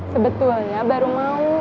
sebetulnya baru mau